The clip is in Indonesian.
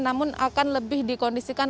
namun akan lebih dikondisikan